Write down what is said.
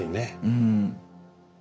うん。